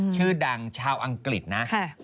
ชื่อดังชาวอังกฤษนะ